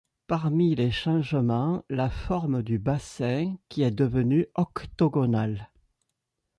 Parmi les changements, la forme du bassin, qui est devenu octogonal.